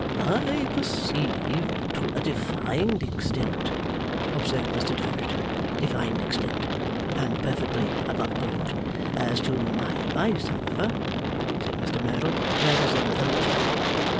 'I perceive. To a defined extent,' observed Mr Dorrit. 'Defined extent. And perfectly above board. As to my advice, however,' said Mr Merdle, 'that is another matter.